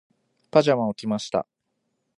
パジャマを着ました。